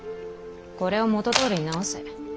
これを元どおりに直せ。